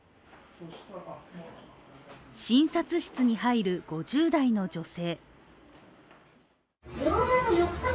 診察室に入る５０代の女性。